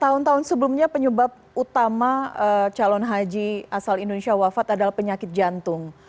tahun tahun sebelumnya penyebab utama calon haji asal indonesia wafat adalah penyakit jantung